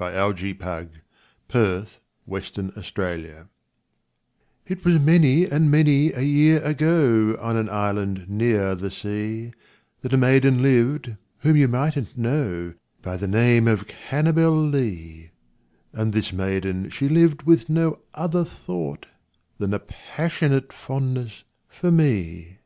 V^ Unknown, } 632 Parody A POE 'EM OF PASSION It was many and many a year ago, On an island near the sea, That a maiden lived whom you migbtnH know By the name of Cannibalee; And this maiden she lived with no other thought Than a passionate fondness for me.